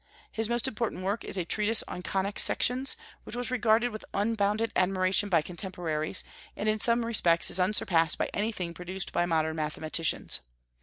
His most important work is a treatise on conic sections, which was regarded with unbounded admiration by contemporaries, and in some respects is unsurpassed by any thing produced by modern mathematicians.